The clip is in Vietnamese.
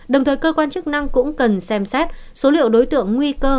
đồng thời cơ quan chức năng cũng cần xem xét số liệu đối tượng nguy cơ